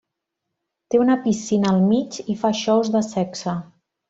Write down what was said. Té una piscina al mig i fa shows de sexe.